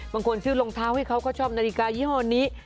บางคนซื้อรองเท้าให้เขาก็ชอบนาฬิกายี่ห้อนี้